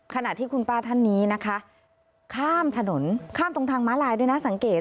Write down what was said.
ขณะที่คุณป้าท่านนี้นะคะข้ามถนนข้ามตรงทางม้าลายด้วยนะสังเกต